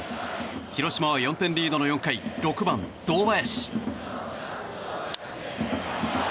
広島は４点リードの４回６番、堂林。